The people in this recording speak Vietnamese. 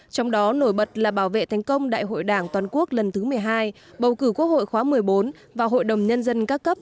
trong đó nổi bật là bảo vệ thành công đại hội đảng toàn quốc lần thứ một mươi hai bầu cử quốc hội khóa một mươi bốn và hội đồng nhân dân các cấp